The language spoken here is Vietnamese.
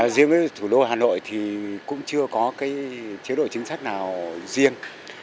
riêng với thủ đô hà nội thì cũng chưa có cái chế đội chính sách nào riêng